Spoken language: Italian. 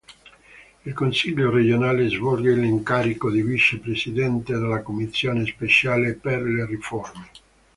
In consiglio regionale svolge l'incarico di Vice Presidente della Commissione Speciale per le Riforme.